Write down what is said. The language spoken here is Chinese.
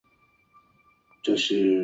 要求媳妇放在仓库